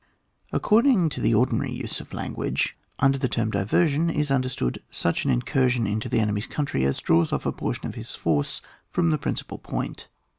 AoooRDma to the ordinary use of lan guage, under the term diversion is under stood such an incursion into the enemy's country as draws off a portion of his force from the principal point.